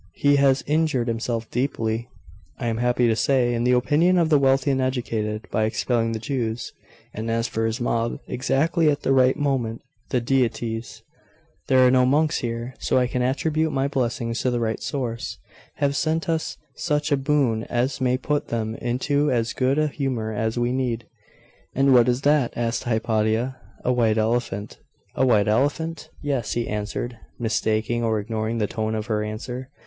He has injured himself deeply, I am happy to say, in the opinion of the wealthy and educated, by expelling the Jews. And as for his mob, exactly at the right moment, the deities there are no monks here, so I can attribute my blessings to the right source have sent us such a boon as may put them into as good a humour as we need.' 'And what is that?' asked Hypatia. 'A white elephant.' 'A white elephant?' 'Yes,' he answered, mistaking or ignoring the tone of her answer.